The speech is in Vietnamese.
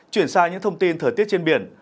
chuyển sang những thông tin thời tiết trên biển